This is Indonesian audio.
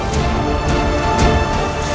saya juga mau pergi sih